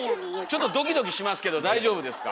ちょっとドキドキしますけど大丈夫ですか？